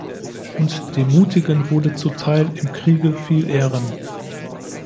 Und dem Mutigen wurden zuteil im Kriege viel Ehren.